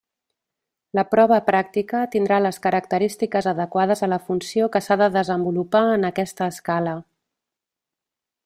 La prova pràctica tindrà les característiques adequades a la funció que s'ha de desenvolupar en aquesta escala.